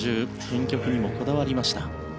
選曲にもこだわりました。